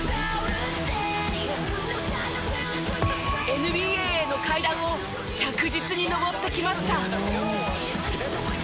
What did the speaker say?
ＮＢＡへの階段を着実に上ってきました。